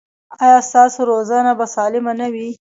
ایا ستاسو روزنه به سالمه نه وي؟